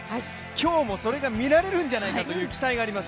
今日もそれが見られるんじゃないかという期待があります。